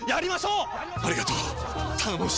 ありがとう！